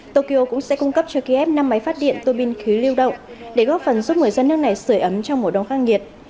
tokyo cũng sẽ cung cấp cho kiev năm máy phát điện tô bin khí lưu động để góp phần giúp người dân nước này sửa ấm trong mùa đông khắc nghiệt